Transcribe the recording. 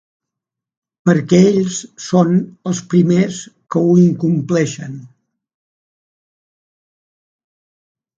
Perquè ells són els primers que ho incompleixen.